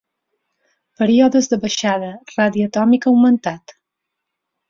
Períodes de baixada, radi atòmic augmentat.